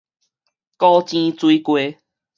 鼓井水雞